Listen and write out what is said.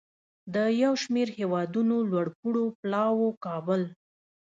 د یو شمیر هیوادونو لوړپوړو پلاوو کابل